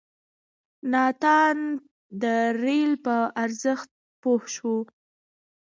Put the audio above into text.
ناتان د رېل په ارزښت پوه شو.